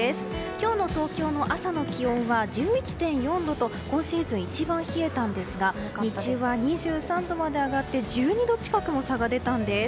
今日の東京の朝の気温は１１．４度と今シーズン一番冷えたんですが日中は２３度まで上がって１２度近くも差が出たんです。